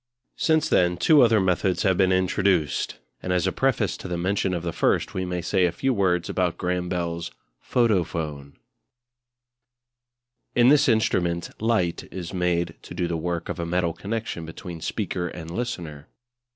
Since then two other methods have been introduced; and as a preface to the mention of the first we may say a few words about Graham Bell's Photophone. In this instrument light is made to do the work of a metal connection between speaker and listener.